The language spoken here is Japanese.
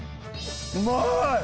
うまい！